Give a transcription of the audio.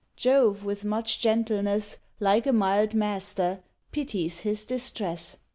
Jove, with much gentleness, Like a mild master, pities his distress.